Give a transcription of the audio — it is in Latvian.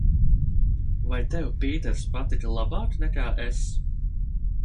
Vai tev Pīters patika labāk nekā es?